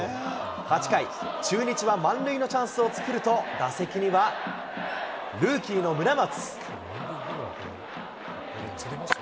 ８回、中日は満塁のチャンスを作ると、打席にはルーキーの村松。